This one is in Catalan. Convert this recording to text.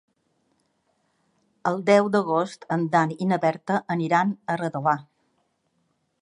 El deu d'agost en Dan i na Berta aniran a Redovà.